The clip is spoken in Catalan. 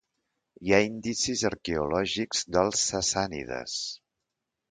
Hi ha indicis arqueològics dels sassànides.